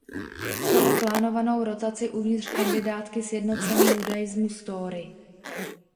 Šlo o plánovanou rotaci uvnitř kandidátky Sjednocený judaismus Tóry.